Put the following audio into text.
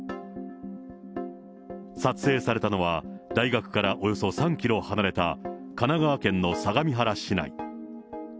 撮影されたのは、大学からおよそ３キロ離れた神奈川県の相模原市内。